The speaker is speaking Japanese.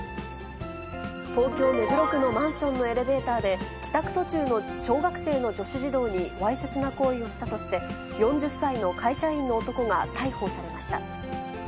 東京・目黒区のマンションのエレベーターで、帰宅途中の小学生の女子児童にわいせつな行為をしたとして、４０歳の会社員の男が逮捕されました。